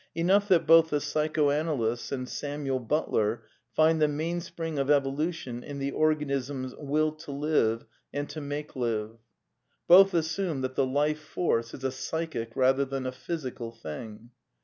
Enough that both the psychoanalysts and Samuel Butler find the main spring of evolution in the organism's Will to live and to " make live. Both assume that the Life Force is a psychic rather than a physical thing.